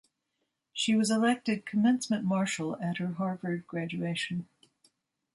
She was elected Commencement marshal at her Harvard graduation.